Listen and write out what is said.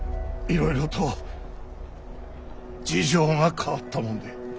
いろいろと事情が変わったもんで。